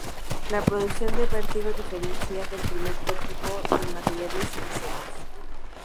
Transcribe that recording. La producción de Vertigo difería del primer prototipo en materiales y diseño.